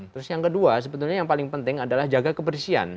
terus yang kedua sebetulnya yang paling penting adalah jaga kebersihan